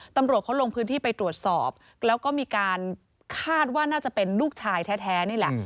ตำรวจเขาลงพื้นที่ไปตรวจสอบแล้วก็มีการคาดว่าน่าจะเป็นลูกชายแท้นี่แหละ